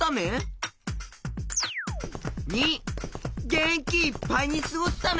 ②げんきいっぱいにすごすため？